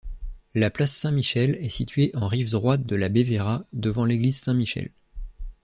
La place Saint-Michel est située en rive droite de la Bévéra, devant l'église Saint-Michel.